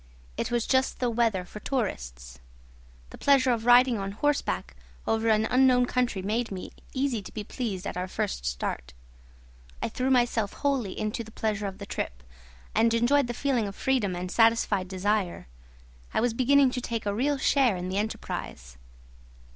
It was just the weather for tourists. The pleasure of riding on horseback over an unknown country made me easy to be pleased at our first start. I threw myself wholly into the pleasure of the trip, and enjoyed the feeling of freedom and satisfied desire. I was beginning to take a real share in the enterprise.